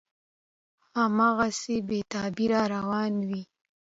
هماغسې بې تغییره روان وي،